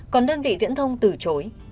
còn đơn vị viễn thông từ chối